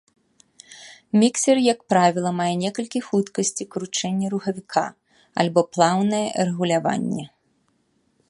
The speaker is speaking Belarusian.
Міксер, як правіла, мае некалькі хуткасцей кручэння рухавіка, альбо плаўнае рэгуляванне.